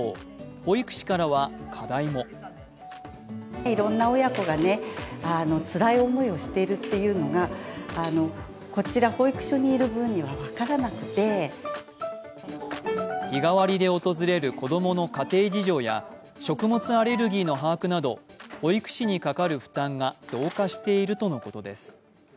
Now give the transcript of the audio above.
保育士からは課題も日替わりで訪れる子供の家庭事情や食物アレルギーの把握など保育士にかかる負担が増加しているということです。